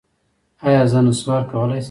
ایا زه نسوار کولی شم؟